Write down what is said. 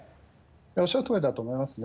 おっしゃるとおりだと思いますね。